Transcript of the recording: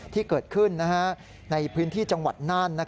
ที่เกิดขึ้นในพื้นที่จังหวัดน่าน